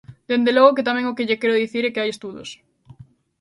Dende logo que tamén o que lle quero dicir é que hai estudos.